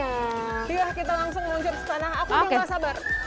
yuk kita langsung muncul ke tanah aku juga gak sabar